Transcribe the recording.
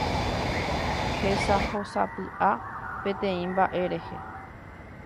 hesahósapy'a peteĩ mba'e rehe